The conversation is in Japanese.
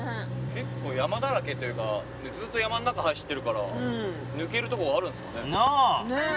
結構山だらけっていうかずっと山の中走ってるから抜けるとこがあるんですかね。なぁ。